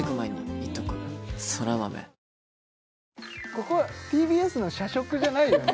ここＴＢＳの社食じゃないよね？